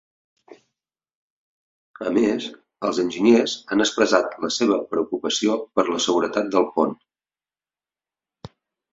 A més, els enginyers han expressat la seva preocupació per la seguretat del pont.